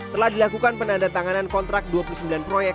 telah dilakukan penanda tanganan kontrak dua puluh sembilan proyek